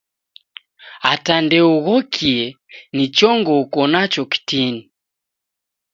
Ata ndeughokie ni chongo uko nacho kitini